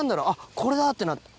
これだ！ってなって。